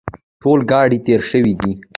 ټول ګاډي تېر شوي دي.